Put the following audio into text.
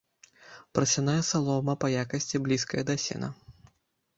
Прасяная салома па якасці блізкая да сена.